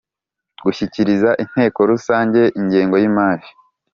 Gushyikiriza inteko rusange ingengo y imari